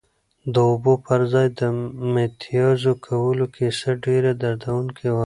د اوبو پر ځای د متیازو کولو کیسه ډېره دردونکې وه.